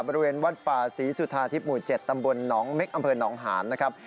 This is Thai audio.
บริเวณวัดป่าศรีสุธาทิพย์หมู่๗ตำบลหนองเม็กอำเภอหนองหานนะครับ